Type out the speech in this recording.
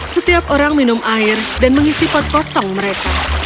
setiap orang minum air dan mengisi pot kosong mereka